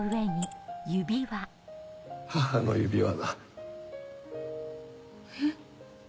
母の指輪だえっ？